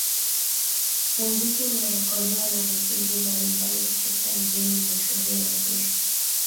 muziki uliorekodiwa na vipindi mbalimbali kutokea mjini Monrovia Liberia